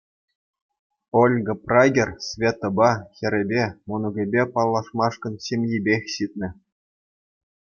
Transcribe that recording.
Ольга Прагер Светӑпа, хӗрӗпе, мӑнукӗпе паллашмашкӑн ҫемйипех ҫитнӗ.